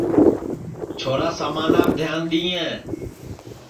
چھورا سمانپ دھیان دؔیئیں